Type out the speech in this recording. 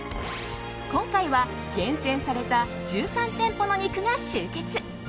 今回は、厳選された１３店舗の肉が集結。